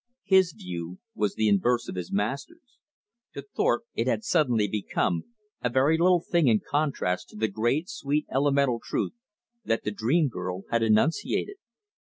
His view was the inverse of his master's. To Thorpe it had suddenly become a very little thing in contrast to the great, sweet elemental truth that the dream girl had enunciated.